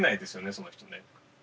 その人ね。